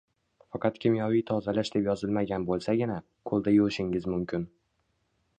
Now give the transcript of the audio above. Faqat kimyoviy tozalash deb yozilmagan bo‘lsagina, qo‘lda yuvishingiz mumkin